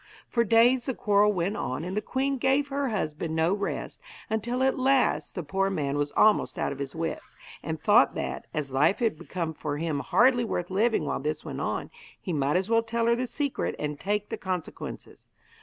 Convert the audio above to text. For days the quarrel went on, and the queen gave her husband no rest, until at last the poor man was almost out of his wits, and thought that, as life had become for him hardly worth living while this went on, he might as well tell her the secret and take the consequences.